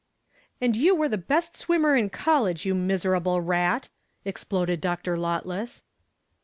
"And you were the best swimmer in college, you miserable rat," exploded Dr. Lotless.